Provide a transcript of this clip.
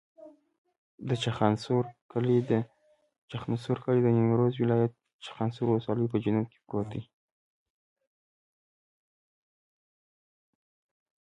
د چخانسور کلی د نیمروز ولایت، چخانسور ولسوالي په جنوب کې پروت دی.